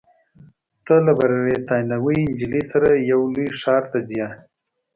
ته له بریتانوۍ نجلۍ سره یو لوی ښار ته ځې.